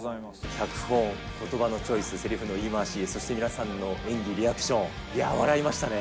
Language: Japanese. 脚本、ことばのチョイス、せりふの言い回し、そして皆さんの演技、リアクション、いやー、笑いましたね。